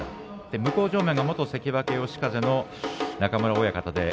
向正面は元関脇嘉風の中村親方でした。